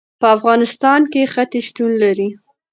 په افغانستان کې ښتې شتون لري.